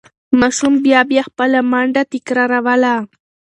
ماشوم بیا بیا خپله منډه تکراروله.